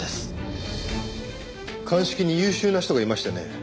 鑑識に優秀な人がいましてね。